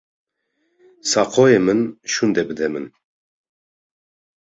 Saqoyê min şûnde bide min.